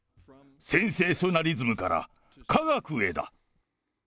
センセーショナリズムから科学へだ。